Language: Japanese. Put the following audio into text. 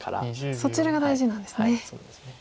そちらが大事なんですね。